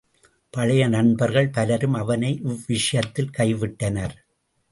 பழைய நண்பர்கள் பலரும் அவனை இவ்விஷயத்தில் கைவிட்டனர்.